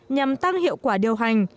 nhằm tăng hiệu quả điều hành